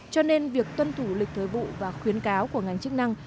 cho nên việc tuân thủ lịch thời vụ và khuyến cáo của ngành chức năng